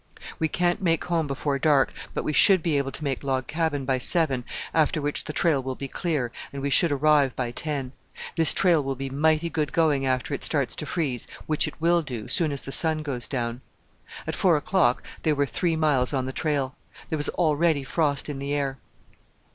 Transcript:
"We can't make home before dark, but we should be able to make Log Cabin by seven, after which the trail will be clear, and we should arrive by ten. This trail will be mighty good going after it starts to freeze, which it will do, soon as the sun goes down." At four o'clock they were three miles on the trail. There was already frost in the air.